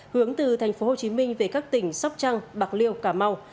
hướng từ tp hcm về các tỉnh sóc trăng bạc liêu cà mau